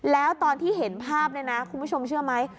แล้วตอนที่เห็นภาพเนี่ยนะคุณผู้ชมเชื่อไหม